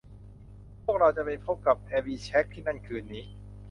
พวกเราจะไปพบกับแอบิเช็คที่นั่นคืนนี้